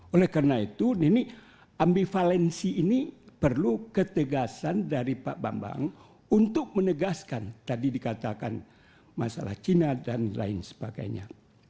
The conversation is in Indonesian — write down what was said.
oleh karena itu ini ambivalensi ini perlu ketegasan dari pak bambang untuk menegaskan tadi dikatakan masalah cina dan lain sebagainya